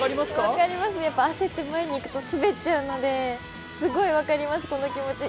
分かりますね焦って前に行くと滑っちゃうのですごい分かります、この気持ち。